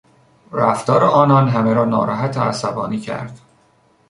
رفتار آنان همه را ناراحت و عصبانی کرد.